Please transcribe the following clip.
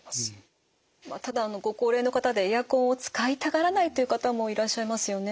ただご高齢の方でエアコンを使いたがらないという方もいらっしゃいますよね。